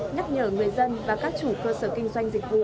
nhắc nhở người dân và các chủ cơ sở kinh doanh dịch vụ